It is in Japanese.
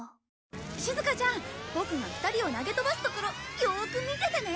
しずかちゃんボクが２人を投げ飛ばすところよーく見ててね。